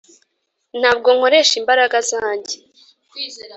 ntabwo nkoresha imbaraga zanjye